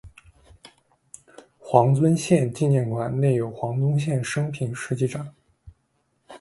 黄遵宪纪念馆内有黄遵宪生平事迹展。